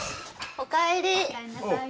おかえり。